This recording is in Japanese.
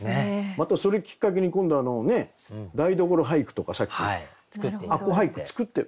またそれきっかけに今度台所俳句とかさっき吾子俳句作って。